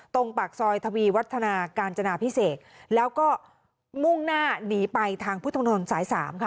ตรงปากซอยทวีวัฒนาการจนาพิเศษแล้วก็มุ่งหน้านีไปทางพุทธวนธนสาย๓